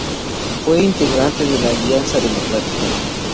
Fue integrante de la Alianza Democrática.